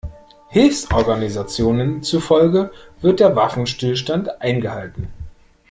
Hilfsorganisationen zufolge wird der Waffenstillstand eingehalten.